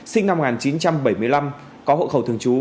sinh năm một nghìn chín trăm bảy mươi năm có hộ khẩu thường trú